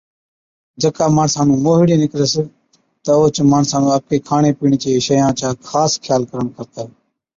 جڪا ماڻسا نُُون موهِيڙي نِڪرس تہ اوهچ ماڻسا نُون آپڪي کاڻي پِيڻي چي شئِيان چا خاص خيال ڪرڻ کپَي،